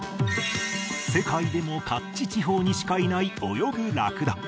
世界でもカッチ地方にしかいない泳ぐラクダ